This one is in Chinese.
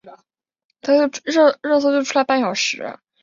寇恩的博士论文和早期的研究内容是调和分析。